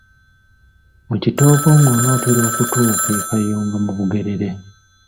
Mu kitoogo ng’onootera okutuuka e Kayunga mu Bugerere.